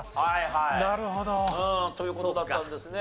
なるほど。という事だったんですね。